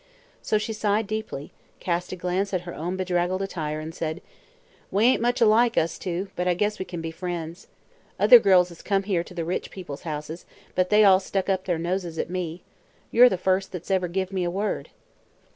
So she sighed deeply, cast a glance at her own bedraggled attire, and said: "We ain't much alike, us two, but I guess we kin be friends. Other girls has come here, to the rich people's houses, but they all stuck up their noses at me. You're the first that's ever give me a word."